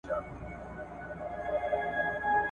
جهاني اوس دي په کوڅو کي پلونه نه وینمه ,